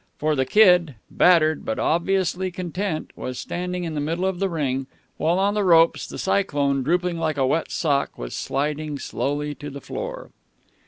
For the Kid, battered, but obviously content, was standing in the middle of the ring, while on the ropes the Cyclone, drooping like a wet sock, was sliding slowly to the floor.